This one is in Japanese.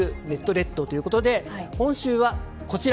列島ということで今週はこちら。